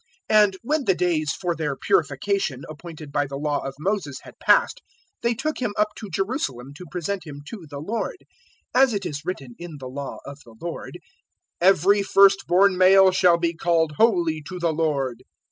002:022 And when the days for their purification appointed by the Law of Moses had passed, they took Him up to Jerusalem to present Him to the Lord 002:023 as it is written in the Law of the Lord: "Every first born male shall be called holy to the Lord."